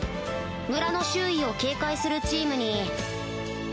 村の周囲を警戒するチームに